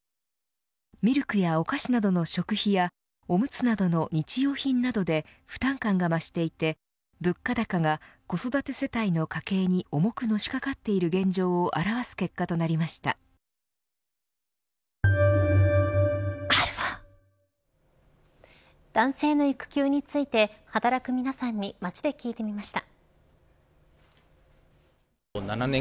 ミルクやお菓子などの食費やおむつなどの日用品などで負担感が増していて物価高が子育て世帯の家計に重くのしかかっている現状を男性の育休について働く皆さんに街で聞いてみました。